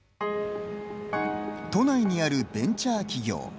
都内にあるベンチャー企業。